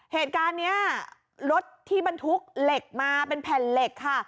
เหตุการณ์นี้รถที่บรรทุกเหล็กมาเป็นแผ่นเหล็กค่ะ